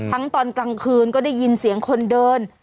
ตอนกลางคืนก็ได้ยินเสียงคนเดิน